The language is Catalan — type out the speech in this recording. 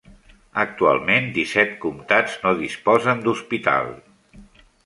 Actualment disset comtats no disposen d'hospital.